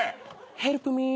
ヘルプミー。